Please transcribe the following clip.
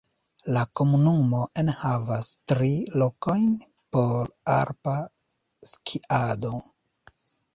La komunumo enhavas tri lokojn por alpa skiado.